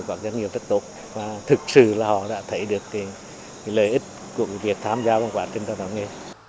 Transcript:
các doanh nghiệp rất tốt và thực sự là họ đã thấy được lợi ích của việc tham gia trong hệ quả trên đào tạo nghề